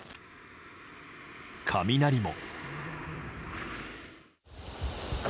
雷も。